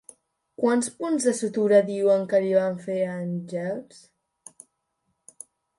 Quants punts de sutura diuen que li van fer a Engels?